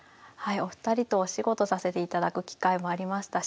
お二人とお仕事させていただく機会もありましたし